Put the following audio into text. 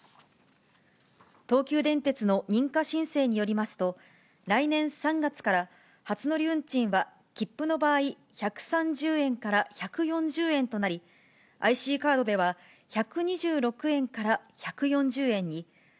東急電鉄の認可申請によりますと、来年３月から、初乗り運賃は切符の場合、１３０円から１４０円となり、ＩＣカードでは１２６円から１４０円に。